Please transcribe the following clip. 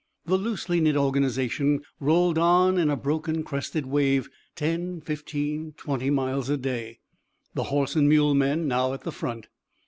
The loosely knit organization rolled on in a broken crested wave, ten, fifteen, twenty miles a day, the horse and mule men now at the front.